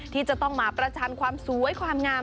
ที่จะต้องมาประชันความสวยความงาม